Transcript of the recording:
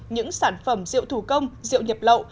những sản phẩm rượu thủ công rượu nhập lậu